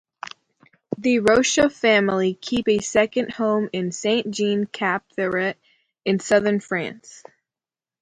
The Rocha family keep a second home in Saint Jean Cap-Ferrat in southern France.